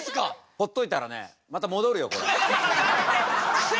ほっといたらねまた戻るよこれ。